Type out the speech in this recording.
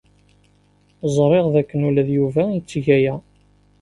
Ẓriɣ dakken ula d Yuba yetteg aya.